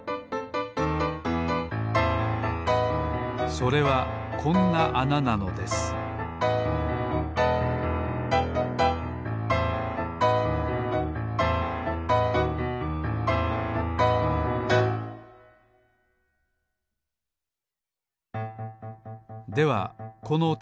それはこんなあななのですではこのてつぼうのよう